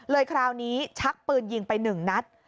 คราวนี้ชักปืนยิงไป๑นัด